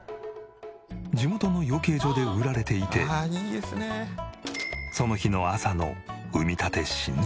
地元の養鶏場で売られていてその日の朝の産みたて新鮮！